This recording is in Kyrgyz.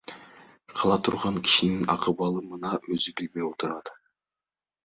Кыла турган кишинин акыбалы мына, өзү билбей отурат.